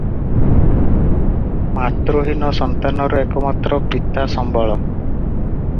ମାତୃହୀନ ସନ୍ତାନର ଏକମାତ୍ର ପିତା ସମ୍ବଳ ।